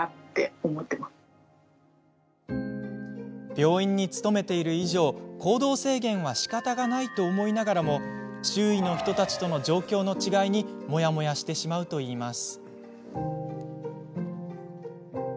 病院に勤めている以上行動制限は、しかたがないと思いながらも周囲の人たちとの状況の違いにモヤモヤしてしまうといいます。